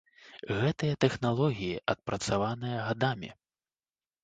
Гэтыя тэхналогіі адпрацаваныя гадамі.